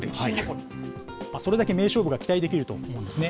それだけ名勝負が期待できると思うんですね。